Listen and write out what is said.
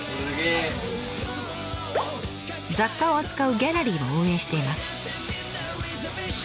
雑貨を扱うギャラリーも運営しています。